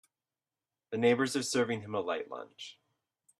The neighbors are serving him a light lunch.